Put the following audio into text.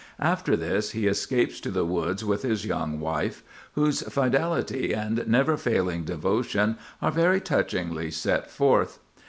After this he escapes to the woods with his young wife, whose fidelity and never failing devotion are very touchingly set forth.